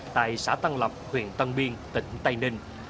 tại xã tân lập huyện tân biên tỉnh tây ninh